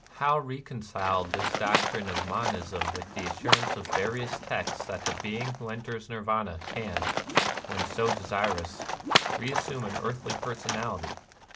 How reconcile this doctrine of monism with the assurance of va rious texts that the being who enters Nirvana can, when so desirous, reassume an earthly personality?